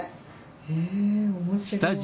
へえ面白い。